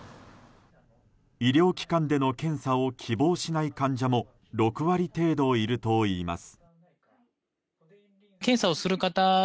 医療機関での検査を希望しない患者も６割程度いるといいます。